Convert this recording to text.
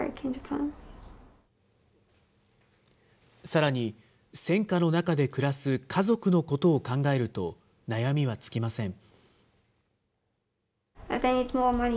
さらに戦火の中で暮らす家族のことを考えると、悩みは尽きません。